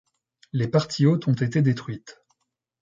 Les parties hautes ont été détruites.